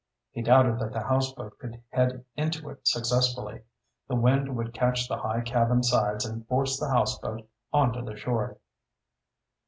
He doubted that the houseboat could head into it successfully. The wind would catch the high cabin sides and force the houseboat onto the shore.